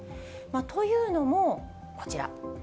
というのも、こちら。